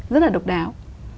rất là độc đáo